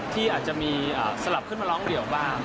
ที่อาจจะมีสลับขึ้นมาร้องเดี่ยวบ้าง